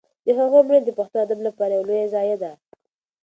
د هغه مړینه د پښتو ادب لپاره یوه لویه ضایعه ده.